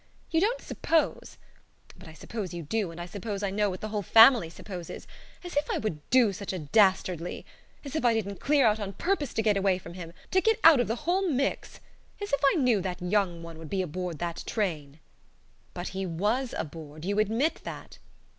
You don't suppose but I suppose you do, and I suppose I know what the whole family supposes As if I would do such a dastardly! As if I didn't clear out on purpose to get away from him to get out of the whole mix As if I knew that young one would be aboard that train!" "But he was aboard. You admit that."